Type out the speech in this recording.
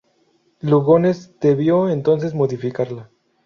Lugones debió entonces modificarla.